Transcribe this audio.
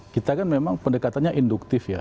kita kan memang pendekatannya induktif ya